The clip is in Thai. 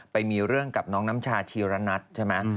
ไปมีเรื่องกับน้องน้ำชาชีระนัทใช่ไหม